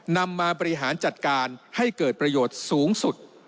นำมาบริหารจัดการให้เกิดประโยชน์สูงสุด